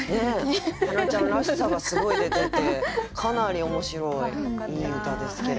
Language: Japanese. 花ちゃんらしさがすごい出ててかなり面白いいい歌ですけれども。